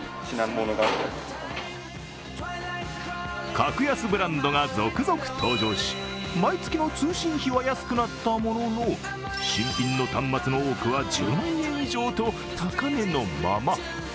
格安ブランドが続々登場し、毎月の通信費は安くなったものの新品の端末の多くは１０万円以上と高値のまま。